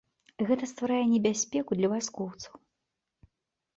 Гэта стварае небяспеку для вайскоўцаў.